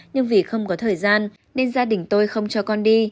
nhưng vì không có thời gian nên gia đình tôi không cho con đi